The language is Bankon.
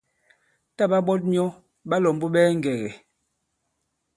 Tǎ ɓa ɓɔt myɔ ɓa lɔ̀mbu ɓɛɛ ŋgɛ̀gɛ̀.